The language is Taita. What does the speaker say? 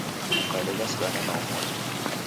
Ukalegha sighana na omoni